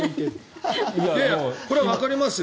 これはわかりますよ。